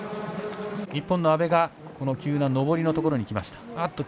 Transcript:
日本の阿部が急な上りのところに来ました。